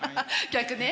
逆ね。